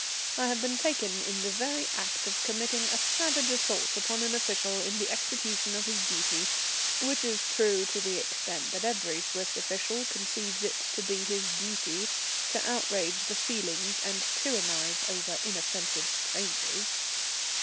I had been taken in the very act of committing a savage assault upon an official in the execution of his duty, which is true to the extent that every Swiss official conceives it to be his duty to outrage the feelings and tyrannize over inoffensive strangers.